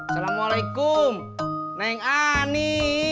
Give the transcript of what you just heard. selama alaikum neng ani